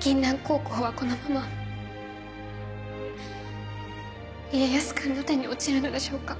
銀杏高校はこのまま家康君の手に落ちるのでしょうか。